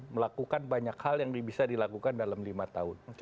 melakukan banyak hal yang bisa dilakukan dalam lima tahun